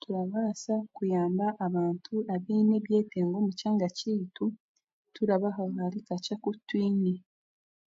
Turabaasa kuyamba abantu abaine ebyetengo omu kyanga kyaitu turabaha ahari kakye akutwine